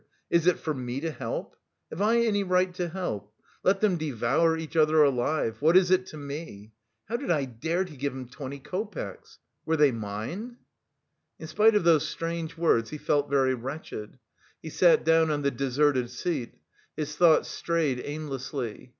Is it for me to help? Have I any right to help? Let them devour each other alive what is it to me? How did I dare to give him twenty copecks? Were they mine?" In spite of those strange words he felt very wretched. He sat down on the deserted seat. His thoughts strayed aimlessly....